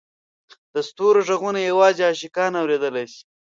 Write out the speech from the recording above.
د ستورو ږغونه یوازې عاشقان اورېدلای شي.